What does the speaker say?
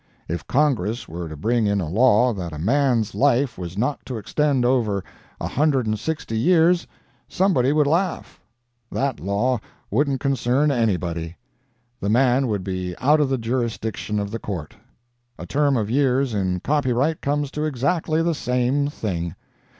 If Congress were to bring in a law that a man's life was not to extend over a hundred and sixty years, somebody would laugh. That law wouldn't concern anybody. The man would be out of the jurisdiction of the court. A term of years in copyright comes to exactly the same thing.